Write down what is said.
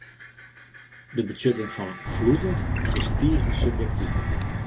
De betsjutting fan ‘floeiend’ is tige subjektyf.